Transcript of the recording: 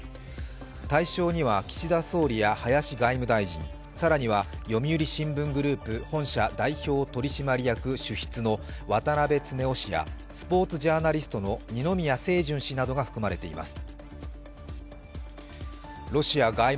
対象には岸田総理や林外務大臣、更には読売新聞グループ本社代表取締役主筆の渡邉恒雄氏やスポーツジャーナリストの二宮清純氏などが含まれています。